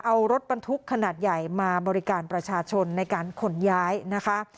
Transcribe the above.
เอารถบรรทุกขนาดใหญ่มาบริการประชาชนในการขนย้ายนะคะ